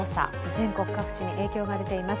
全国各地に影響が出ています。